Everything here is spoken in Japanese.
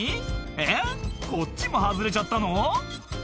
えっこっちも外れちゃったの？